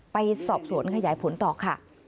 ไปสอบสวนขยายผลต่อค่ะ